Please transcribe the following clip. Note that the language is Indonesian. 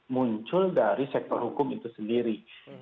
muncul dari sektor hukum itu sendiri